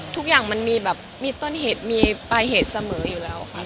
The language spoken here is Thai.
ทุกอย่างมันมีแบบมีต้นเหตุมีปลายเหตุเสมออยู่แล้วค่ะ